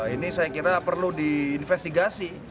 ini saya kira perlu diinvestigasi